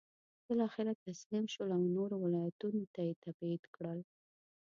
بالاخره تسلیم شول او نورو ولایتونو ته یې تبعید کړل.